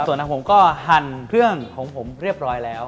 ส่วนทางผมก็หั่นเครื่องของผมเรียบร้อยแล้ว